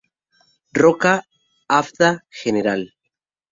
Roca, Avda. Gral.